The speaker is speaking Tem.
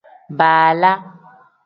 Baala.